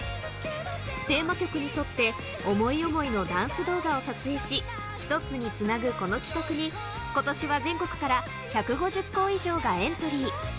テーマ曲に沿って、思い思いのダンス動画を撮影し、一つにつなぐこの企画に、ことしは全国から１５０校以上がエントリー。